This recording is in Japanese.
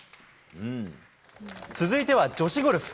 続いては女子ゴルフ。